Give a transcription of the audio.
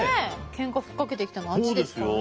ケンカ吹っかけてきたのはあっちですからね。